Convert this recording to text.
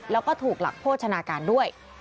แล้วก็ถูกหลักโภชนาการด้วย